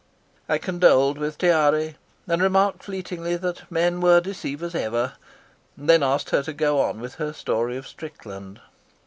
I condoled with Tiare, and remarked feelingly that men were deceivers ever, then asked her to go on with her story of Strickland.